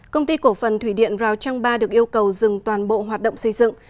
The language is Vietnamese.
công ty cổ phần thủy điện rào trăng ba được yêu cầu dừng toàn bộ hoạt động xây dựng